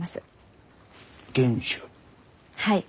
はい。